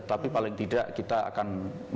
tapi paling tidak kita akan